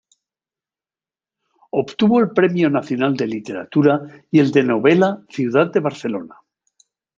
Obtuvo el Premio Nacional de Literatura y el de novela Ciudad de Barcelona.